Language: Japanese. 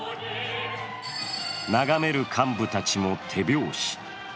眺める幹部たちも手拍子。